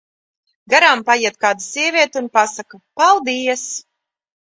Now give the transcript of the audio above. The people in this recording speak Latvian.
Garām paiet kāda sieviete un pasaka: "Paldies!"